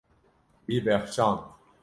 Wî bexşand.